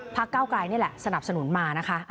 เก้าไกลนี่แหละสนับสนุนมานะคะ